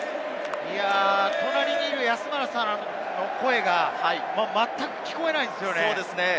隣にいる安村さんの声がまったく聞こえないですね。